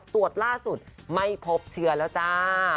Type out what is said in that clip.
ตรวจล่าสุดไม่พบเชื้อแล้วจ้า